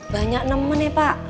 banyak nemen pak